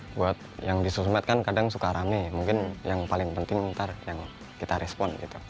buat yang disusmetkan kadang suka rame mungkin yang paling penting ntar yang kita respon gitu